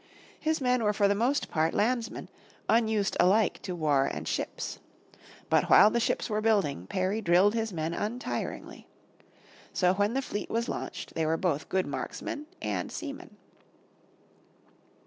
His men were for the most part landsmen, unused alike to war and ships. But while the ships were building Perry drilled his men untiringly. So when the fleet was launched they were both good marksmen and seamen.